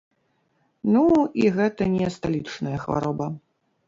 Ну, і гэта не сталічная хвароба.